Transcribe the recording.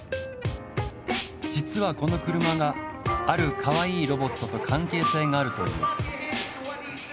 実はこの車があるかわいいロボットと関係性があるという。